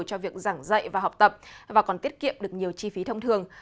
cho việc giảng dạy và học tập và còn tiết kiệm được nhiều chi phí thông thường